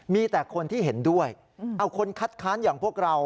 มีแต่คนที่เห็นด้วยเอาคนคัดค้านอย่างพวกเรา